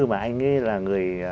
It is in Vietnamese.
và anh ấy là người